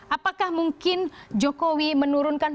apakah mungkin jokowi menurunkan